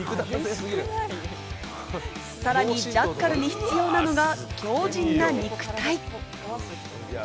さらに、ジャッカルに必要なのが強靭な肉体。